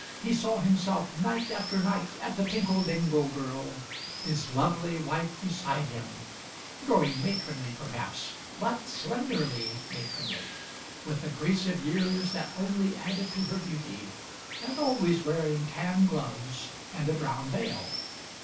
He saw himself night after night at The Tinkle Dingle Girl, his lovely wife beside him — growing matronly, perhaps, but slenderly matronly — with a grace of years that only added to her beauty, and always wearing tan gloves and a brown veil.